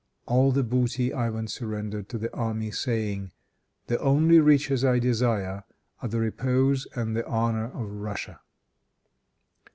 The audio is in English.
All the booty Ivan surrendered to the army, saying, "The only riches I desire, are the repose and the honor of Russia."